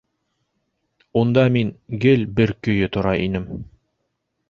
—Унда мин гел бер көйө тора инем!